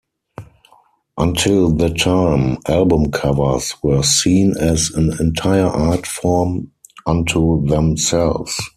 Until that time, album covers were seen as an entire art form unto themselves.